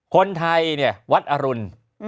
คนไทยวัดอรุณ